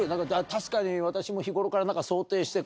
確かに私も日頃から想定して。